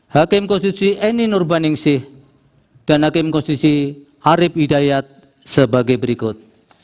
hakim konstitusi eni nurbaningsih dan hakim konstitusi arief hidayat sebagai berikut